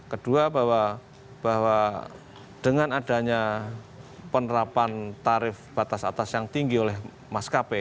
kedua bahwa dengan adanya penerapan tarif batas atas yang tinggi oleh maskapai